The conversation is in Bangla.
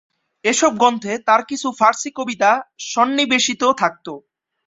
এই সব গ্রন্থে তার কিছু ফারসি কবিতা সন্নিবেশিত থাকতো।